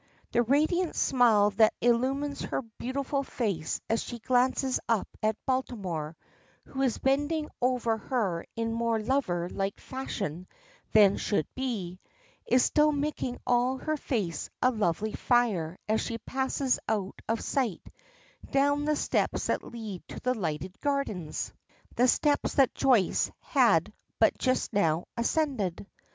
The radiant smile that illumines her beautiful face as she glances up at Baltimore who is bending over her in more lover like fashion than should be is still making all her face a lovely fire as she passes out of sight down the steps that lead to the lighted gardens the steps that Joyce had but just now ascended.